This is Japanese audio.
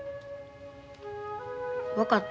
分かった。